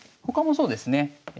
他もそうですね。